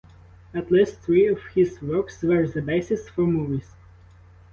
At least three of his works were the basis for movies.